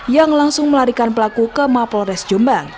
yang langsung melarikan pelaku ke mapol res jombang